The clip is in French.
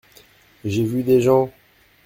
J'ai vu des gens.